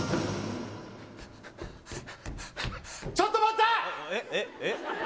ちょっと待った！